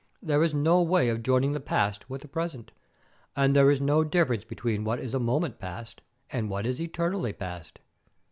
There is no way of joining the past with the present, and there is no difference between what is a moment past and what is eternally past."